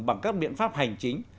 bằng các biện pháp hành chính